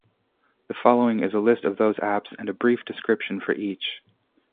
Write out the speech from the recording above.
The following is a list of those apps and a brief description for each.